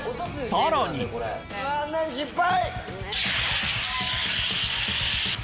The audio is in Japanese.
さらに残念失敗！